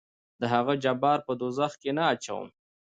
دهغه جبار په دوزخ کې نه اچوم.